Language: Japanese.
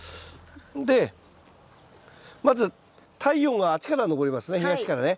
でまず太陽があっちから昇りますね東からね。